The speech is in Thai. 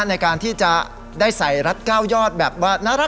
ในการที่จะได้ใส่รัดก้าวยอดแบบว่า